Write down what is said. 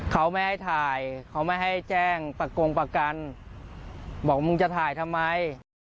เขาไม่ให้ถ่ายเขาไม่ให้แจ้งประกงประกันบอกมึงจะถ่ายทำไม